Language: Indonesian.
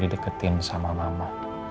dideketin sama mama